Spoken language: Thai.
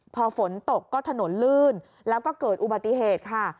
พอฝนตกก็ถนนลื่นแล้วก็เกิดอุบัติเหตุค่ะ